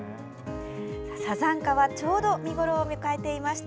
サザンカはちょうど見頃を迎えていました。